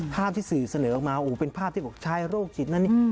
ภาพที่สื่อเสนอออกมาโอ้โหเป็นภาพที่บอกชายโรคจิตนั้นนี่